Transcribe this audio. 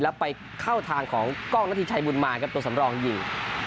ลับไปเข้าทางของกล้องนาทีชัยบุญมากครับตัวสำรองยิง